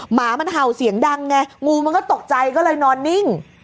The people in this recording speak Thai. หมามันเห่าเสียงดังไงงูมันก็ตกใจก็เลยนอนนิ่ง